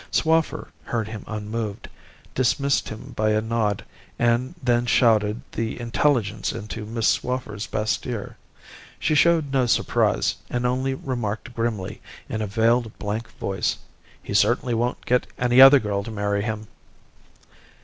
Swaffer heard him unmoved, dismissed him by a nod, and then shouted the intelligence into Miss Swaffer's best ear. She showed no surprise, and only remarked grimly, in a veiled blank voice, 'He certainly won't get any other girl to marry him.